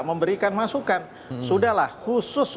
diberikan masukan sudahlah khusus